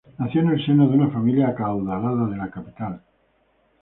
Nació en el seno de una familia acaudalada de la capital.